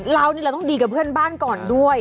เรานี่เราต้องดีกับเพื่อนบ้านก่อนด้วย